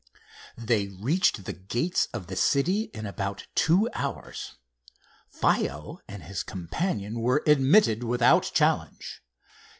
They reached the gates of the city in about two hours. Faiow and his companion were admitted without challenge.